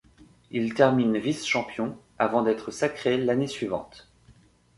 Il termine vice-champion, avant d'être sacré l'année suivante.